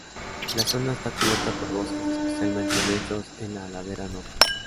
La zona está cubierta por bosques, especialmente densos en la ladera norte.